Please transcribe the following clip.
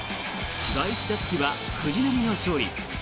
第１打席は藤浪の勝利。